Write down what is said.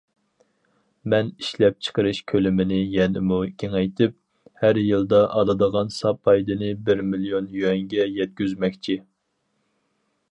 مەن ئىشلەپچىقىرىش كۆلىمىنى يەنىمۇ كېڭەيتىپ، ھەر يىلىدا ئالىدىغان ساپ پايدىنى بىر مىليون يۈەنگە يەتكۈزمەكچى.